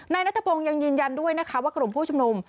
นัทพงศ์ยังยืนยันด้วยนะคะว่ากลุ่มผู้ชุมนุม